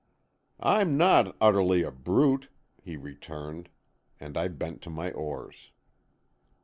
"I'm not utterly a brute," he returned, and I bent to my oars.